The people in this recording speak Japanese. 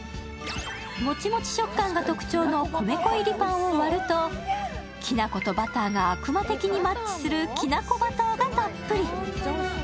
もちもち食感が特徴の米粉入りパンを割ると、きな粉とバターが悪魔的にマッチするきな粉バターがたっぷり。